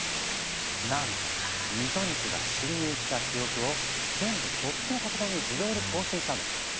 なんとミトニックが侵入した記録を全部そっちのパソコンに自動で送信したんだって。